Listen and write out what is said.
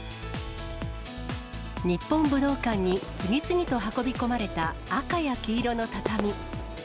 日本武道館に次々と運び込まれた、赤や黄色の畳。